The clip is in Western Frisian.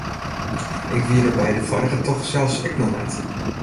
Ik wie der by de foarige tocht sels ek noch net.